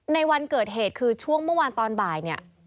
ในวันเกิดเหตุคือช่วงเมื่อวานตอนบ่ายเนี่ย